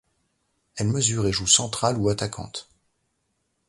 Elle mesure et joue central ou attaquante.